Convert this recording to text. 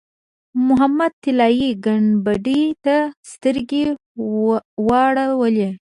محمود طلایي ګنبدې ته سترګې واړولې.